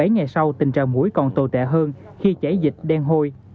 bảy ngày sau tình trạng mũi còn tồi tệ hơn khi chảy dịch đen hôi